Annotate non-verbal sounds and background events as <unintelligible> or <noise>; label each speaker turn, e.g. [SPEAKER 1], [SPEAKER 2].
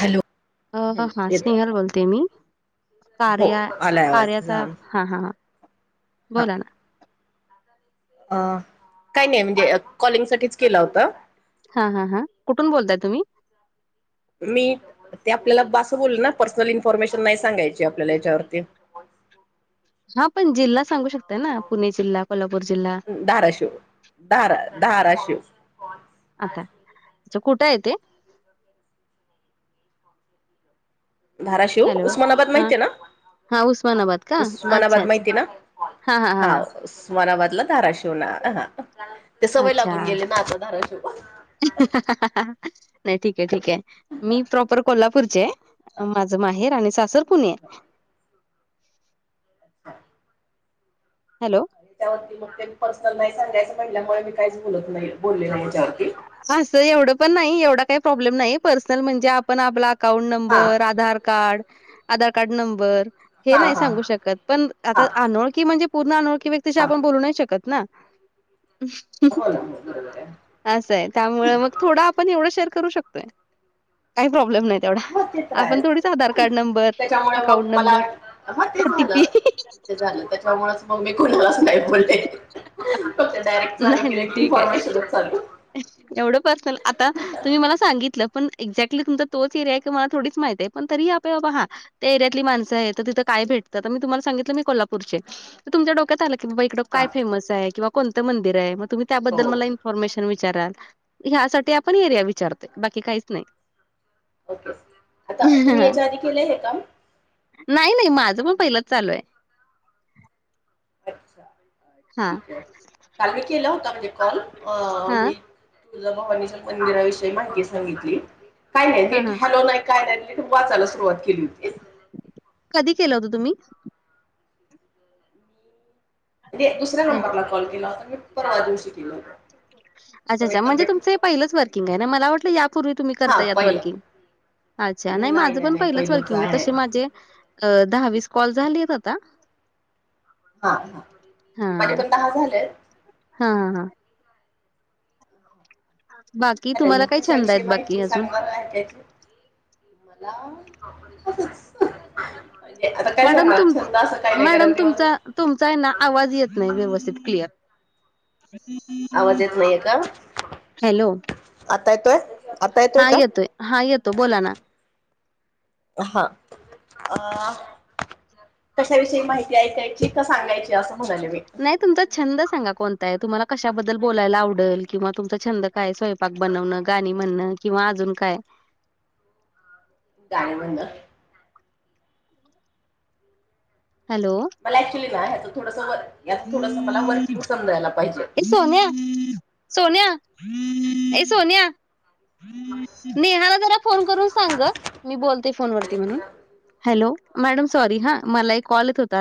[SPEAKER 1] Hello
[SPEAKER 2] अ
[SPEAKER 1] हम्म
[SPEAKER 2] हां
[SPEAKER 1] येत
[SPEAKER 2] स्नेहल बोलते मी.
[SPEAKER 1] हो
[SPEAKER 2] कार्या
[SPEAKER 1] आलाय आवाज
[SPEAKER 2] कार्याचा हां हां हां
[SPEAKER 1] हा
[SPEAKER 2] बोला ना.
[SPEAKER 1] अ काय नाही म्हणजे कॉलिंग साठीच केला होता.
[SPEAKER 2] हां हां हां कुठून बोलताय तुम्ही?
[SPEAKER 1] मी ते आपल्याला असं बोलेलं ना पर्सनल इन्फॉर्मेशन नाही सांगायची आपल्याला याच्यावरती.
[SPEAKER 2] हां पण जिल्हा सांगू शकताय ना पुणे जिल्हा, कोल्हापूर जिल्हा.
[SPEAKER 1] धाराशिव धारा धाराशिव
[SPEAKER 2] आता कुठे आहे ते?
[SPEAKER 1] <inaudible> धाराशिव
[SPEAKER 2] हॅलो
[SPEAKER 1] उस्मानाबाद
[SPEAKER 2] हां
[SPEAKER 1] माहितीय ना
[SPEAKER 2] हां उस्मानाबाद का अच्छा!
[SPEAKER 1] उस्मानाबाद
[SPEAKER 2] अच्छा!
[SPEAKER 1] माहिती ना
[SPEAKER 2] हां हां हां
[SPEAKER 1] हा
[SPEAKER 2] हां.
[SPEAKER 1] उस्मानाबादला धाराशिवना ते सवय
[SPEAKER 2] अच्छा.
[SPEAKER 1] लागून गेले ना आता धाराशिव.
[SPEAKER 2] नाही ठीक आहे, ठीक आहे मी प्रॉपर कोल्हापूरची आहे. माझं माहेर आणि सासर पुणे. हॅलो!
[SPEAKER 1] त्यावरती मग ते मी पर्सनल नाही सांगायचं म्हटल्यामुळे मी काहीच बोलत नाही बोलले याच्यावरती.
[SPEAKER 2] असं एवढं पण नाही एवढा काही प्रॉब्लेम नाही पर्सनल म्हणजे आपण आपला अकाउंट
[SPEAKER 1] हा
[SPEAKER 2] number, Aadhaar card, Aadhaar card number हे
[SPEAKER 1] हा
[SPEAKER 2] नाही
[SPEAKER 1] हा
[SPEAKER 2] सांगू शकत पण आता
[SPEAKER 1] हा
[SPEAKER 2] अनोळखी म्हणजे पूर्ण अनोळ कि त्या
[SPEAKER 1] हा
[SPEAKER 2] आपण बोलू नाही शकत ना..
[SPEAKER 1] हो ना हो बरोबर आहे
[SPEAKER 2] असं आहे त्यामुळे मग थोडा आपण एवढं शेअर करू शकतोय काही प्रॉब्लेम नाही. तेवढा
[SPEAKER 1] हो ते तर
[SPEAKER 2] आपण
[SPEAKER 1] आहेच.
[SPEAKER 2] थोडीच आधार कार्ड नंबर,
[SPEAKER 1] त्याच्यामुळे मग
[SPEAKER 2] अकाउंट
[SPEAKER 1] मला
[SPEAKER 2] नंबर,
[SPEAKER 1] हा ते
[SPEAKER 2] ओटीपी
[SPEAKER 1] झालं ते झालं त्याच्यामुळेच मग मी कोणलाच नाही बोलले, फक्त डायरेक्ट चालू
[SPEAKER 2] नाही, नाही
[SPEAKER 1] केले
[SPEAKER 2] ठीक आहे.
[SPEAKER 1] कॉल चालू
[SPEAKER 2] एवढं पर्सनल आता तुम्ही मला सांगितलं पण एक्झॅक्टली तुमचा तोच एरिया आहे की मला थोडीच माहित आहे? पण तरी आपल्या हा त्या एरियातली माणसं आहे, तर तिथं काय भेटत? तर मी तुम्हाला सांगितलं मी कोल्हापूरची आहे.. मग तुमच्या डोक्यात आला की बाबा
[SPEAKER 1] हा
[SPEAKER 2] इकडंय फेमस आहे किं कोणतं मंदिर मग तुम्ही
[SPEAKER 1] हो
[SPEAKER 2] त्याबद्दल मला इन्फॉर्मशन विचारा ह्यासाठी आपण एरिया विचारतो, बाकी काहीच नाही..
[SPEAKER 1] ओके. आता तुम्ही याच्या आधी केले आहे हे काम?
[SPEAKER 2] नाही नाही.. माझं पण पहिलंच चालू आहे.
[SPEAKER 1] अच्छा.
[SPEAKER 2] हां,
[SPEAKER 1] ठीक आहे काल मी केला होता म्हणजे कॉल अ
[SPEAKER 2] हां,
[SPEAKER 1] मी तुळजाभवानीच्या मंदिराविषयी माहिती सांगितली. काही नाही
[SPEAKER 2] हां,
[SPEAKER 1] नीट
[SPEAKER 2] हां.
[SPEAKER 1] हॅलो नाही काय नाही मी वाचायला सुरुवात केली होती.
[SPEAKER 2] कधी केलं होतं तुम्ही?
[SPEAKER 1] दुसऱ्या
[SPEAKER 2] हं.
[SPEAKER 1] नंबर ला कॉल केला होता मी, परवा दिवशी केलं होत.
[SPEAKER 2] अच्छा अच्छा.. म्हणजे तुमचं पहिच
[SPEAKER 1] म्हणून नाही
[SPEAKER 2] वर्किंग आहे
[SPEAKER 1] केला.
[SPEAKER 2] ना मला वाटलं यापूर्वी तुम्ही
[SPEAKER 1] हा
[SPEAKER 2] करता यात
[SPEAKER 1] पहिलं
[SPEAKER 2] वर्किंग.. अच्छा! नाही माझं पण पहिलंच वर्किंग. तसे माझे अ दहा-वीस कॉल झालेत आहेत आता..
[SPEAKER 1] हा हा
[SPEAKER 2] हा,
[SPEAKER 1] माझे पण दहा झालेत.
[SPEAKER 2] हा ह हां.. बाकी
[SPEAKER 1] चालेल
[SPEAKER 2] तुम्हाला
[SPEAKER 1] मग
[SPEAKER 2] काय छंद
[SPEAKER 1] कशाविषयी
[SPEAKER 2] आहेत बाकी
[SPEAKER 1] माहिती
[SPEAKER 2] अजून?
[SPEAKER 1] सांग मला ऐकायची मला. म्हणजे आता काय
[SPEAKER 2] मॅडम
[SPEAKER 1] सांगणार
[SPEAKER 2] तुम
[SPEAKER 1] छंद असं काही नाही
[SPEAKER 2] मॅडम
[SPEAKER 1] कारण दिवस
[SPEAKER 2] तुमचा तुमचा आहे ना आवाज येत नाही व्यवस्थित क्लिअर <unintelligible>
[SPEAKER 1] आवाज येत नाहीये का?
[SPEAKER 2] हॅलो.
[SPEAKER 1] आता येतोय? आता
[SPEAKER 2] हा
[SPEAKER 1] का
[SPEAKER 2] येतोय.. हा येतो बोला ना..
[SPEAKER 1] हा अ.. कशाविषयी माहिती ऐकायची का सांगायची असं म्हणाले मी
[SPEAKER 2] नाही तुमचा छंद सांगा कोणता? आहे, तुम्हाला कशाबद्दल बोलायला आवडेल किंवा तुमचा छंद काय स्वयपाक बनवणं गाणी म्हणणं किंवा अजून काय?
[SPEAKER 1] गाणी म्हणनं.
[SPEAKER 2] हॅलो!
[SPEAKER 1] मला ऍक्चुली ह याचं थोडं व थोडंसं मला वर्किंग समजायला पाहिजे.
[SPEAKER 2] ए सोन्या, सोन्या, ये सोन्या! ! नेहाला जरा फोन करून सांग ग, मी बोलते फोन वरती म्हणून.. हॅलो! मॅडम सॉरी हा! मला एक कॉल येत होता.